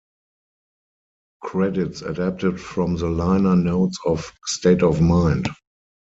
Credits adapted from the liner notes of "State of Mind".